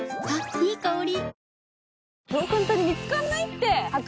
いい香り。